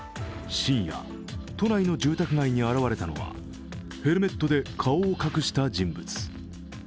深夜、都内の住宅街に現れたのはヘルメットで顔を隠した人物。